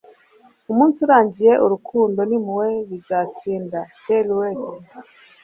umunsi urangiye, urukundo n'impuhwe bizatsinda. - terry waite